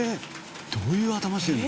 どういう頭してるの？